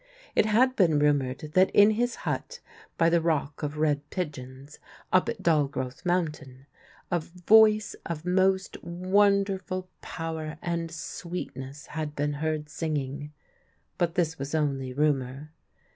It had been rumoured that in his hut by the Rock of Red Pigeons, up at Dalgrothe Mountain, a voice of most wonderful power and sweet ness had been heard singing ; but this was only rumour.